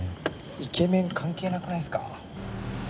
イケメン関係なくないっすか？